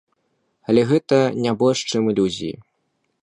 Але гэта не больш чым ілюзіі.